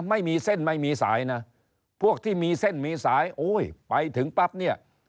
ไม่มีเส้นไม่มีสายนะพวกที่มีเส้นมีสายโอ้ยไปถึงปั๊บเนี่ย